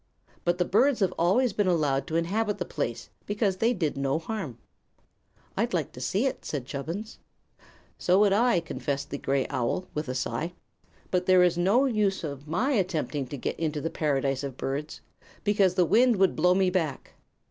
But the birds have always been allowed to inhabit the place because they did no harm." "I'd like to see it," said Chubbins. "So would I," confessed the gray owl, with a sigh; "but there is no use of my attempting to get into the Paradise of Birds, because the wind would blow me back.